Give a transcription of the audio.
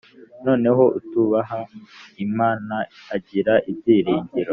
noneho utubaha imana agira byiringiro